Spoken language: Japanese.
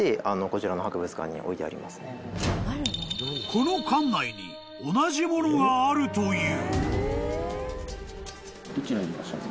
［この館内に同じものがあるという］